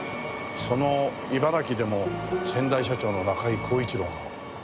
その茨城でも先代社長の中井恒一郎が。